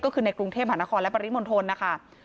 ก็คือในกรุงเทพหานครและปริมณฑลนะคะ